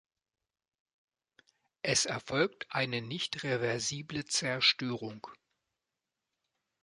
Es erfolgt eine nicht reversible Zerstörung.